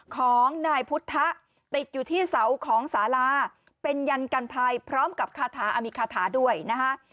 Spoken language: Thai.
ของนายพุทธะติดอยู่ที่เสาของสาราเป็นยันกันภัยพร้อมกับคาถามิคาถาด้วยนะคะ